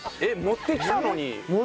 持ってきたのに。